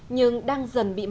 nhưng đang dần bị mai một